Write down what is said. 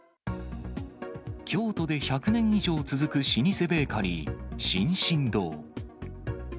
京都で１００年以上続く老舗ベーカリー、進々堂。